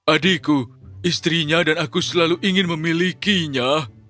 adikku istrinya dan aku selalu ingin memilikinya